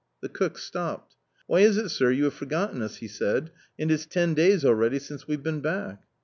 The cook stopped. " Why is it, sir, you have forgotten us ?" he said, " and it's ten days already since we've been back."